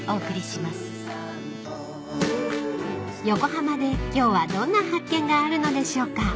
［横浜で今日はどんな発見があるのでしょうか］